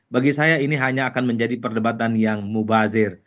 bagi saya ini hanya akan menjadi perdebatan yang mubazir